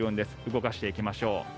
動かしていきましょう。